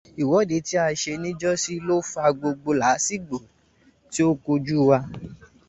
Ìwọ́de tí a ṣe ní ìjọ́sí ló fa gbogbo làásìgbò tí ó kọlù wá.